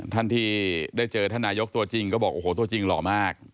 ทันทีได้เจอท่านนายกตัวจริงก็บอกโหทัวจริงรอบมาก